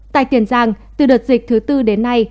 tại tiền giang từ đợt dịch thứ tư đến nay